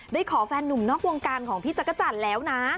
ขอแฟนหนุ่มนอกวงการของพี่จักรจันทร์แล้วนะ